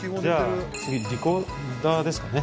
じゃあ次リコーダーですかね